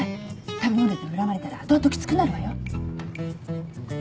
食べ物で恨まれたら後々きつくなるわよ。